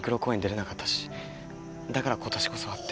だから今年こそはって。